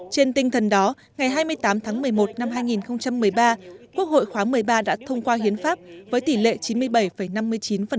trên tinh thần đó ngày hai mươi tám tháng một mươi một năm hai nghìn một mươi ba quốc hội khóa một mươi ba đã thông qua hiến pháp với tỷ lệ chín mươi bảy năm mươi chín